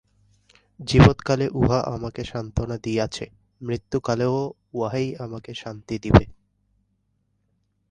জীবৎকালে উহা আমাকে সান্ত্বনা দিয়াছে, মৃত্যুকালেও উহাই আমাকে শান্তি দিবে।